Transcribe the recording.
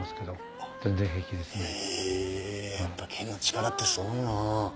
えやっぱ木の力ってすごいな。